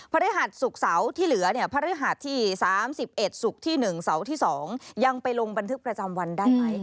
พฤหัสที่เหลือพฤหัสที่๓๑สุขที่๑เสาร์ที่๒ยังไปลงบันทึกประจำวันได้ไหม